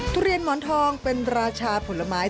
ทุเรียนหมอนทองเป็นราชาผลไม้